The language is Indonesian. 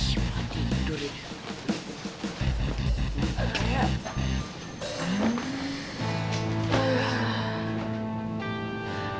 ih mau tidur ya